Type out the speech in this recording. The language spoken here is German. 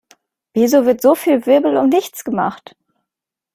Wieso wird so viel Wirbel um nichts gemacht?